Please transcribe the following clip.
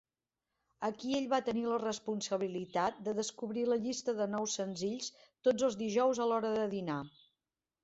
Aquí ell va tenir la responsabilitat de descobrir la llista de nous senzills tots els dijous a l'hora de dinar.